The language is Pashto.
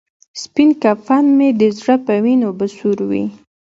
سپین کفن مې د زړه په وینو به سور وي.